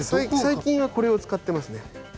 最近はこれを使ってますね。